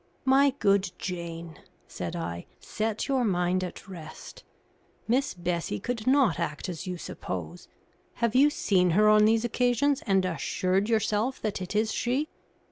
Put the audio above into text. "My good Jane," said I, "set your mind at rest. Miss Bessie could not act as you suppose. Have you seen her on these occasions and assured yourself that it is she?"